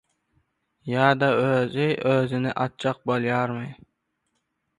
Ýa-da özi özüni atjak bolýarmy?